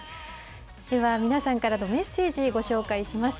では、皆さんからのメッセージ、ご紹介します。